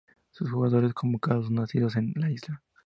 Sus jugadores convocados son nacidos en la isla.